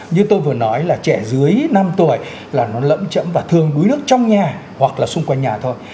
như tôi vừa nói là trẻ dưới năm tuổi là nó lẫm trẫm và thường đuối nước trong nhà hoặc là xung quanh nhà thôi